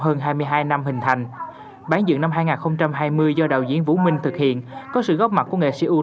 hơn hai mươi hai năm hình thành bán dựng năm hai nghìn hai mươi do đạo diễn vũ minh thực hiện có sự góp mặt của nghệ sĩ ưu